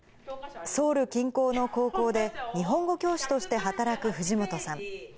ソウル近郊の高校で、日本語教師として働く藤本さん。